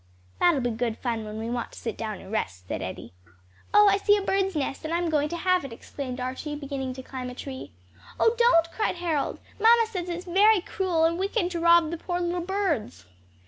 "That'll be good fun when we want to sit down and rest," said Eddie. "Oh, I see a bird's nest, and I'm going to have it!" exclaimed Archie, beginning to climb a tree. "Oh don't," cried Harold, "mamma says it's very cruel and wicked to rob the poor little birds."